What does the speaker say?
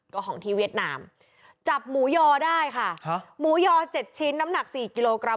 ก็ของที่เวียดนามจับหมูยอได้ค่ะหมูยอ๗ชิ้นน้ำหนัก๔กิโลกรัม